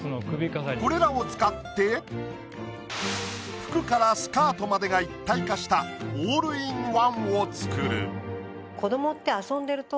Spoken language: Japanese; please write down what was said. これらを使って服からスカートまでが一体化したオールインワンを作る。